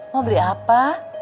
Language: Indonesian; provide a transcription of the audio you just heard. mau beli apa